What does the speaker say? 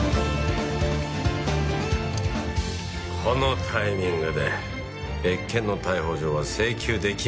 このタイミングで別件の逮捕状は請求できません。